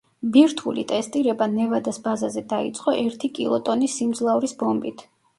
ბირთვული ტესტირება ნევადას ბაზაზე დაიწყო ერთი კილოტონის სიმძლავრის ბომბით.